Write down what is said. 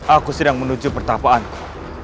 aku sedang menuju pertapaanku